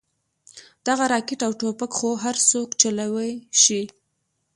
دغه راكټ او ټوپكې خو هرسوك چلوې شي.